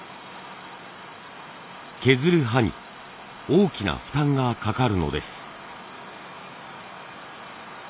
削る刃に大きな負担がかかるのです。